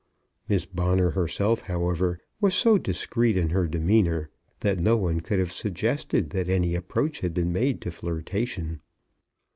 Miss Bonner herself, however, was so discreet in her demeanour, that no one could have suggested that any approach had been made to flirtation.